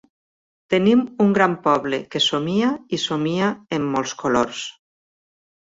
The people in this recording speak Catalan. Tenim un gran poble, que somia, i somia en molts colors.